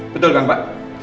betul kan pak